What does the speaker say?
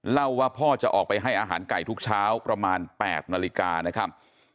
เล่าว่าพ่อจะออกไปให้อาหารไก่ทุกเช้าประมาณ๘นาฬิกานะครับ